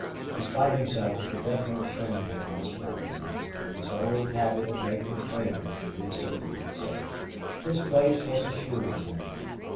Despite himself the deference shown him was flattering, and his old habit of making friends reasserted itself. His place was assured now.